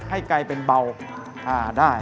ให้ไกเป็นเบาอ่าได้